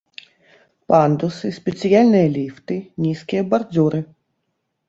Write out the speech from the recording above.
Пандусы, спецыяльныя ліфты, нізкія бардзюры.